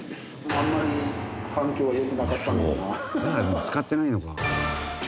もう使ってないのか。